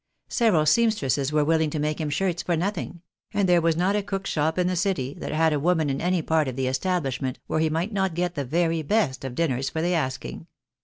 Several seamstresses were willing to make him shirts for nothing ; and there was not a cook's shop in the city, that had a woman in any part of the establishment, where he might not get the very best of dinners for the asking.